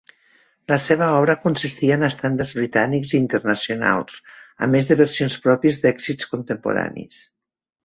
La seva obra consistia en estàndards britànics i internacionals, a més de versions pròpies d'èxits contemporanis.